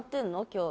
今日？